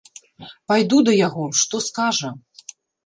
Пайду да яго, што скажа.